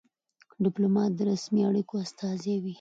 ډيپلومات د رسمي اړیکو استازی وي.